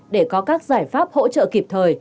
để có các giải pháp hỗ trợ kịp thời